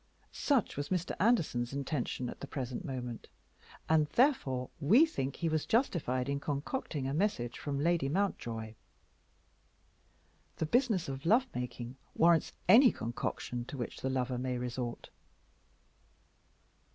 Such was Mr. Anderson's intention at the present moment; and therefore we think that he was justified in concocting a message from Lady Mountjoy. The business of love making warrants any concoction to which the lover may resort.